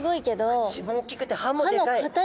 口も大きくて歯もでかい。